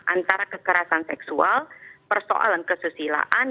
antara kekerasan seksual persoalan kesusilaan